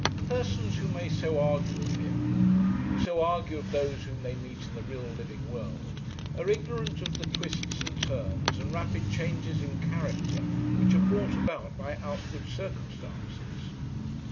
Persons who may so argue of him, who so argue of those whom they meet in the real living world, are ignorant of the twists and turns, and rapid changes in character which are brought about by outward circumstances.